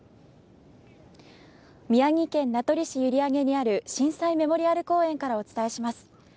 宮城県名取市閖上にある震災メモリアル公園からお伝えします。